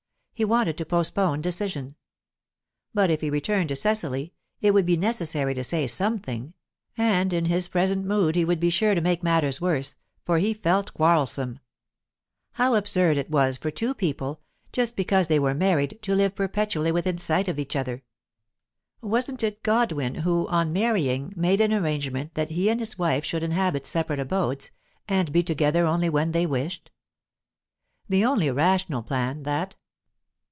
He wanted to postpone decision; but if he returned to Cecily, it would be necessary to say something, and in his present mood he would be sure to make matters worse, for he felt quarrelsome. How absurd it was for two people, just because they were married, to live perpetually within sight of each other! Wasn't it Godwin who, on marrying, made an arrangement that he and his wife should inhabit separate abodes, and be together only when they wished? The only rational plan, that.